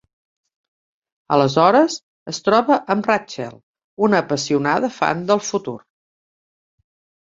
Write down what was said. Aleshores es troba amb Rachael, una apassionada fan del futur.